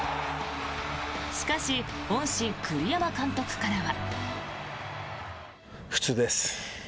しかし恩師、栗山監督からは。